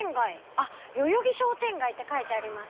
あっ「代々木商店街」って書いてあります。